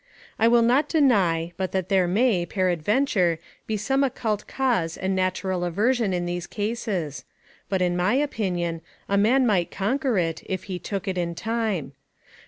I will not deny, but that there may, peradventure, be some occult cause and natural aversion in these cases; but, in my opinion, a man might conquer it, if he took it in time.